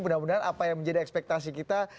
mudah mudahan apa yang menjadi ekspektasi kita